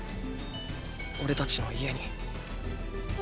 オレたちの家に。